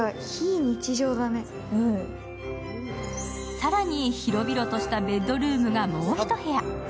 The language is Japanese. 更に広々としたベッドルームがもう一部屋。